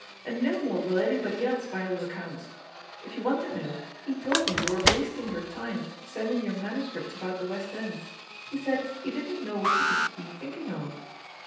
And no more will anybody else, by all accounts I If you want to know, he told me you were wasting your time sending your manuscripts about the West End —he said he didn't know what you could be think ing of.